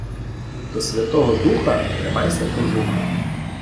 До Святого Духа тримайся кожуха.